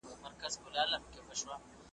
بې ګناه د انتقام په اور کي سوځي ,